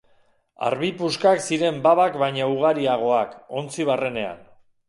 Arbi puskak ziren babak baino ugariagoak, ontzi barrenean.